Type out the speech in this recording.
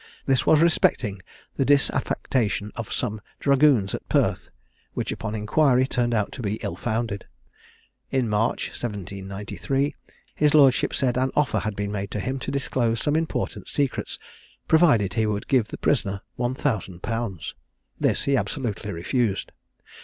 This was respecting the disaffection of some dragoons at Perth, which upon inquiry turned out to be ill founded. In March 1793, his lordship said an offer had been made to him to disclose some important secrets, provided he would give the prisoner 1000_l._ This he absolutely refused.